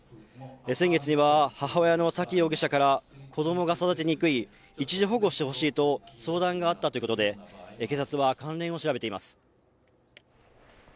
先月には母親の沙喜容疑者から子供が育てにくい、一時保護してほしいと相談があったということで警察は関連を調べています。